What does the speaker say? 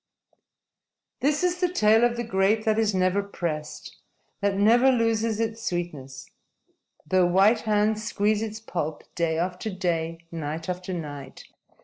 _This is the tale of the grape that is never pressed, that never loses its sweetness, though white hands squeeze its pulp, day after day, night after night.